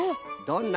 どん！